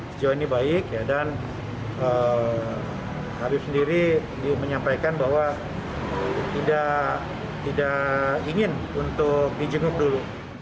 sejauh ini baik dan habib sendiri menyampaikan bahwa tidak ingin untuk dijenguk dulu